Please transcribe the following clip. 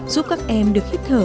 giúp các em được khích thở